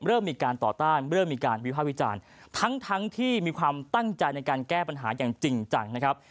เริ่มมีการต่อต้านเริ่มมีการวิภาควิจารณ์ทั้งทั้งที่มีความตั้งใจในการแก้ปัญหาอย่างจริงจังนะครับ